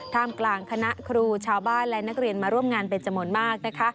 ท่ามกลางคณะครูชาวบ้านและนักเรียนมาร่วมงานเป็นจมนต์มาก